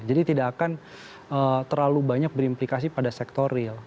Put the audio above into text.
tidak akan terlalu banyak berimplikasi pada sektor real